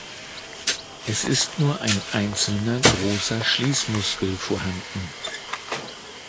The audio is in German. Es ist nur ein einzelner, großer Schließmuskel vorhanden.